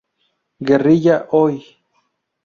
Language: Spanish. Guerrilla Oi!